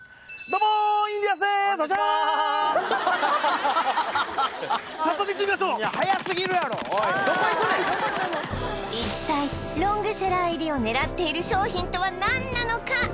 どこ行くねん一体ロングセラー入りを狙っている商品とは何なのか？